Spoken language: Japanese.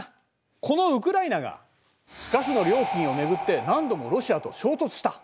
このウクライナがガスの料金を巡って何度もロシアと衝突した。